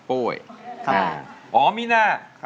สวัสดีครับ